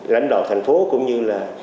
lãnh đạo thành phố cũng như là